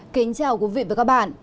kính chào quý vị và các bạn